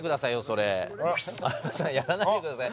それ相葉さんやらないでください